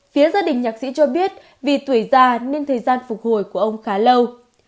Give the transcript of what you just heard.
phía gia đình nhạc sĩ cho biết vì tuổi già nên thời gian phục hồi của ông khá lâu